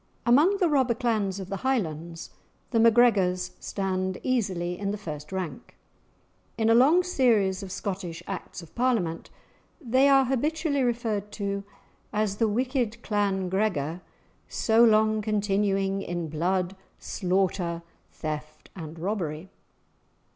Among the robber clans of the Highlands, the MacGregors stand easily in the first rank. In a long series of Scottish Acts of Parliament, they are habitually referred to as "the wicked clan Gregor, so long continuing in blood, slaughter, theft, and robbery."